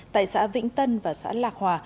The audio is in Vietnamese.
tại xã vĩnh tân và xã lạc hòa